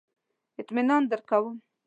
اطمینان درکوم.